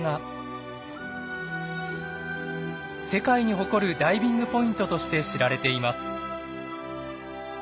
世界に誇るダイビングポイントとして知られています。